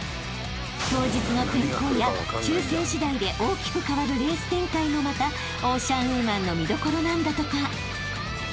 ［当日の天候や抽選しだいで大きく変わるレース展開もまたオーシャンウーマンの見どころなんだとか］